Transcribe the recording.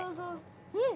うん！